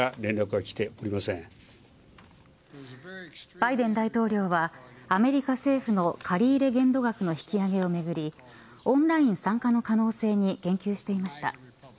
バイデン大統領はアメリカ政府の借入限度額の引き上げをめぐりオンライン参加の可能性に言及していました。